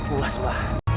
aku puas ma